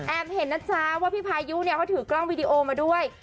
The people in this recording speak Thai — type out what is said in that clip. เห็นนะจ๊ะว่าพี่พายุเนี่ยเขาถือกล้องวิดีโอมาด้วย